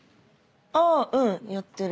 あぁうんやってる。